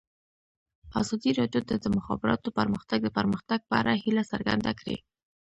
ازادي راډیو د د مخابراتو پرمختګ د پرمختګ په اړه هیله څرګنده کړې.